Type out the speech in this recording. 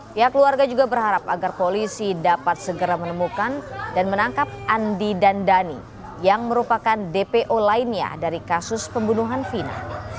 pihak keluarga juga berharap agar polisi dapat segera menemukan dan menangkap andi dan dhani yang merupakan dpo lainnya dari kasus pembunuhan vina